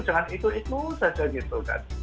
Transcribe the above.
jangan itu itu saja gitu kan